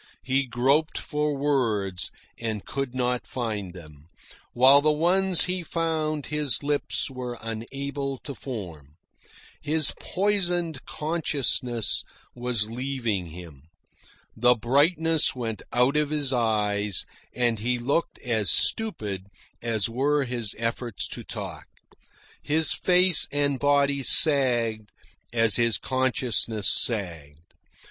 He groped for words and could not find them, while the ones he found his lips were unable to form. His poisoned consciousness was leaving him. The brightness went out of his eyes, and he looked as stupid as were his efforts to talk. His face and body sagged as his consciousness sagged.